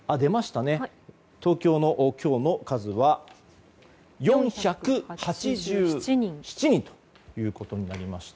東京の今日の数は４８７人ということになりました。